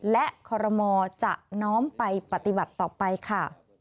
และคอรมอจะน้อมไปปฏิบัติต่อไปค่ะ